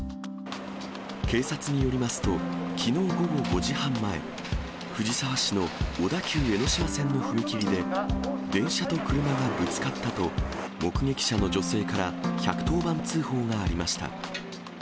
警察によりますと、きのう午後５時半前、藤沢市の小田急江ノ島線の踏切で、電車と車がぶつかったと、目撃者の女性から１１０番通報がありました。